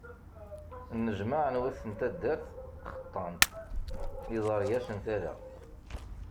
Nnejmaɛen wat n taddert xeṭṭan-t, yeḍreg-asen tala.